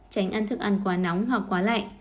tránh ăn thức ăn quá nóng hoặc quá lạnh